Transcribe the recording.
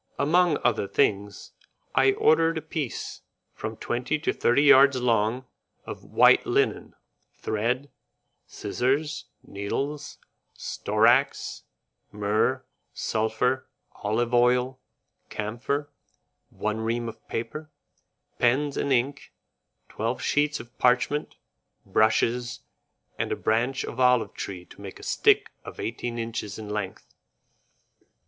Among other things, I ordered a piece, from twenty to thirty yards long, of white linen, thread, scissors, needles, storax, myrrh, sulphur, olive oil, camphor, one ream of paper, pens and ink, twelve sheets of parchment, brushes, and a branch of olive tree to make a stick of eighteen inches in length.